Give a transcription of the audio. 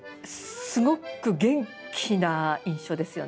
すごく元気な印象ですよね。